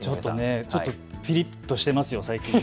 ちょっとピリッとしていますよ。